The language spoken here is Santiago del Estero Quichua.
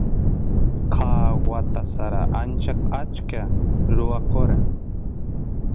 ka wata sara ancha achka ruwakora